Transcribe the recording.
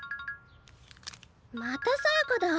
またさやかだ。